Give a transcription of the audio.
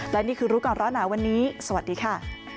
และนี่คือรู้ก่อนร้อนหนาวันนี้สวัสดีค่ะ